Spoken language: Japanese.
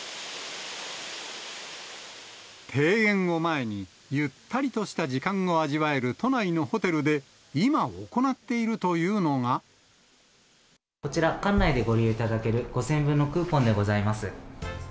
庭園を前に、ゆったりとした時間を味わえる都内のホテルで今、行っているといこちら、館内でご利用いただける５０００円分のクーポンでございます。